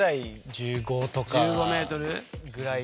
１５ｍ？ぐらい。